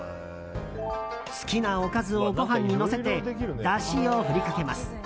好きなおかずをご飯にのせてだしを振りかけます。